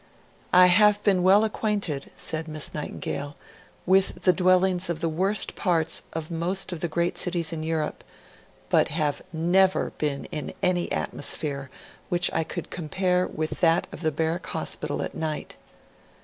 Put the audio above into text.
'I have been well acquainted,' said Miss Nightingale, 'with the dwellings of the worst parts of most of the great cities in Europe, but have never been in any atmosphere which I could compare with that of the Barrack Hospital at night.'